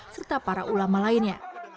serta para ulama lainnya